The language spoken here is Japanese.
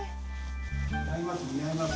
似合います